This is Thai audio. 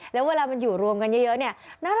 แล้วเวลามันอยู่รวมกันเยอะเนี่ย